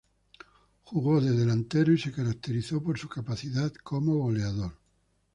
Jugó de delantero y se caracterizó por su capacidad como goleador.